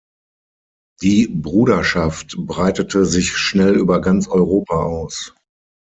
Die Bruderschaft breitete sich schnell über ganz Europa aus.